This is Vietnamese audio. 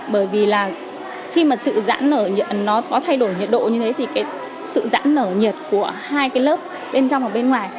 bởi vì là khi mà sự giãn nở nó có thay đổi nhiệt độ như thế thì cái sự giãn nở nhiệt của hai cái lớp bên trong ở bên ngoài